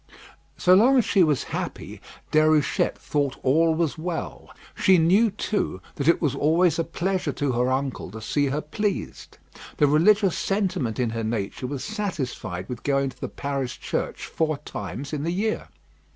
So long as she was happy, Déruchette thought all was well. She knew, too, that it was always a pleasure to her uncle to see her pleased. The religious sentiment in her nature was satisfied with going to the parish church four times in the year.